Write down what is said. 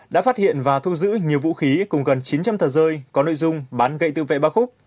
đã phát hiện và thu giữ nhiều vũ khí cùng gần chín trăm linh tờ rơi có nội dung bán gậy tự vệ ba khúc